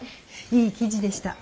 いい記事でした。